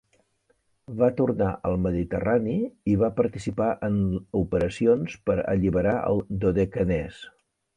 Va tornar al Mediterrani i va participar en operacions per alliberar el Dodecanès.